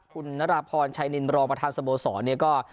คุณนราพรชัยนินรองประธานสโมสรเนี่ยก็